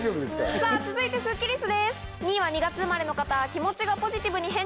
さぁ続いてスッキりすです。